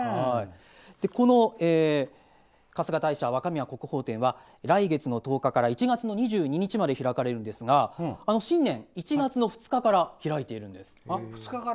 この「春日大社若宮国宝展」は来月の１０日から１月の２２日まで開かれるんですが新年１月２日から開いているんです。